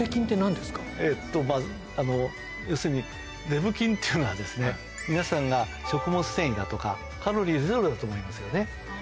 要するにデブ菌っていうのは皆さんが食物繊維だとかカロリーゼロだと思いますよね。